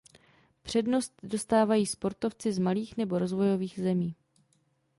Přednost dostávají sportovci z malých nebo z rozvojových zemí.